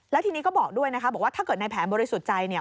แล้วทีนี้ก็บอกด้วยนะครับว่าถ้าเกิดในแผนบริสุจัย